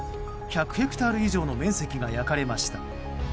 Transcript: １００ヘクタール以上の面積が焼かれました。